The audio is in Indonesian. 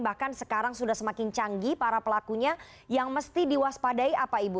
bahkan sekarang sudah semakin canggih para pelakunya yang mesti diwaspadai apa ibu